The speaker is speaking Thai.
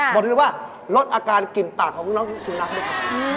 พาเดี๋ยวนะว่าลดอาการกลิ่มต่างของน้องสุนัขนะครับ